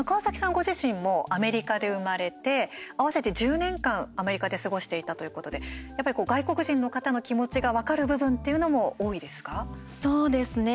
ご自身もアメリカで生まれて合わせて１０年間、アメリカで過ごしていたということでやはり外国人の方の気持ちが分かる部分っていうのも多いですか。